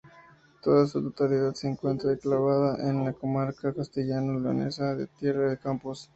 Toda su totalidad se encuentra enclavada en la comarca castellano-leonesa de Tierra de Campos.